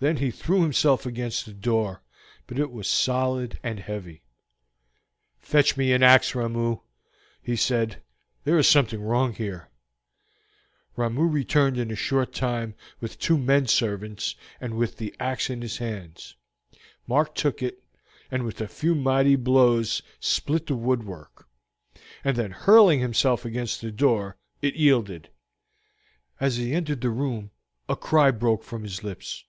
Then he threw himself against the door, but it was solid and heavy. "Fetch me an ax, Ramoo," he said. "There is something wrong here." Ramoo returned in a short time with two men servants and with the ax in his hands. Mark took it, and with a few mighty blows split the woodwork, and then hurling himself against the door, it yielded. As he entered the room a cry broke from his lips.